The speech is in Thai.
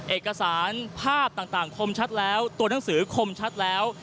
เอกสารภาพต่างคมชัดแล้วตัวหนังสือคมชัดแล้ว